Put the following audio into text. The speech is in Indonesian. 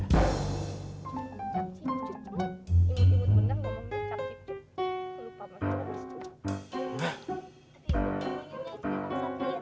capcicuk kok imut imut bener ngomong capcicuk